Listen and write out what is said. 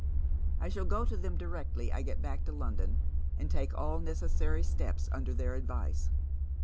I shall go to them directly I get back to London, and take all necessary steps imder their advice."